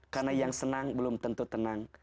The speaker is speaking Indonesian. karena yang senang belum tentu tenang